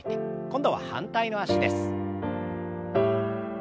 今度は反対の脚です。